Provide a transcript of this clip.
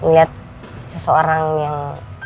melihat seseorang yang